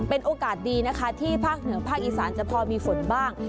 เป็นโอกาสดีนะคะที่ภาคเหนือภาคอีสานจะพอมีฝนบ้าง